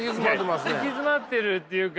行き詰まってるっていうか。